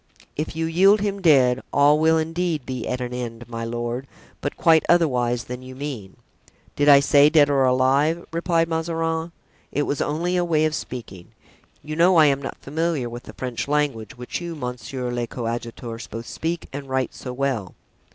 "If you yield him dead, all will indeed be at an end, my lord, but quite otherwise than you mean." "Did I say 'dead or alive?'" replied Mazarin. "It was only a way of speaking. You know I am not familiar with the French language, which you, monsieur le coadjuteur, both speak and write so well."